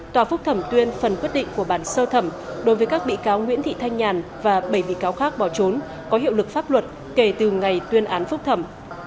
tòa phúc thẩm tuyên phần quyết định của bản sơ thẩm đối với các bị cáo nguyễn thị thanh nhàn và bảy bị cáo khác bỏ trốn có hiệu lực pháp luật kể từ ngày tuyên án phúc thẩm